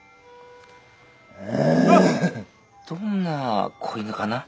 どんな子犬かな？